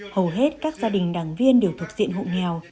hầu hết các gia đình đảng viên đều thuộc diện hộ nghèo